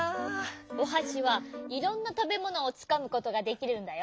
おはしはいろんなたべものをつかむことができるんだよ。